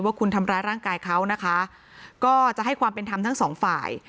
ว่าคุณทำร้ายร่างกายเขานะคะก็จะให้ความเป็นธรรมทั้งสองฝ่าย